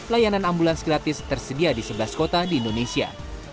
layanan ambulans gratis tersedia di sebelas kota di indonesia